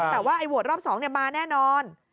แต่ว่าไอ้โหวตรอบ๒มาแน่นอน